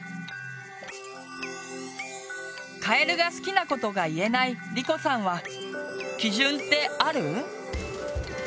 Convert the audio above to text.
カエルが好きなことが言えないりこさんは基準ってある？